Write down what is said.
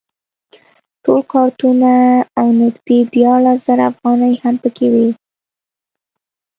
ټول کارتونه او نږدې دیارلس زره افغانۍ هم په کې وې.